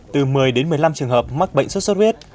từ một mươi đến một mươi năm trường hợp mắc bệnh sốt xuất huyết